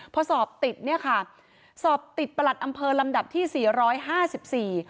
พอสอบติดเนี่ยค่ะสอบติดประหลัดอำเภอลำดับที่สี่ร้อยห้าสิบสี่